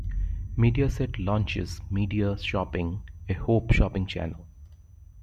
Mediaset launches Media Shopping, a hope shopping channel.